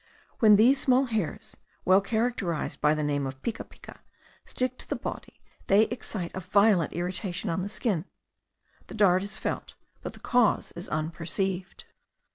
When these small hairs, well characterised by the name of picapica, stick to the body, they excite a violent irritation on the skin; the dart is felt, but the cause is unperceived.